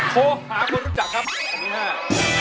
โคหาคนรู้จักครับแผ่นที่๕